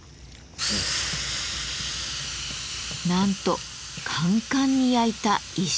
なんとカンカンに焼いた石。